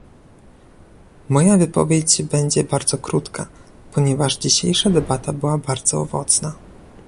Moja wypowiedź będzie bardzo krótka, ponieważ dzisiejsza debata była bardzo owocna